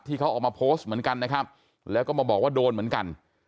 ที่เขาออกมาโพสต์เหมือนกันนะครับแล้วก็มาบอกว่าโดนเหมือนกัน